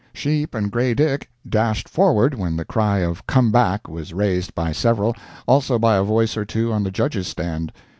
"Sheep" and "Grey Dick" dashed forward, when the cry of "Come back!" was raised by several, also by a voice or two on the Judges' stand.